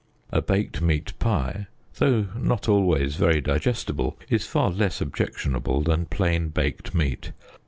A baked meat pie, though not always very digestible, is far less objectionable than plain baked meat.